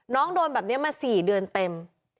โดนแบบนี้มา๔เดือนเต็ม